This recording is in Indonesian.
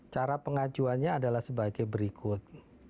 cara pengajuannya adalah sebagai berikut